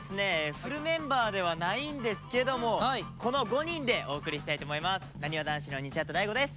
フルメンバーではないんですけどもこの５人でお送りしたいと思います。